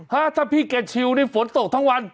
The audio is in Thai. ถ้าพี่แกชิวนี่ฝนตกทั้งวัน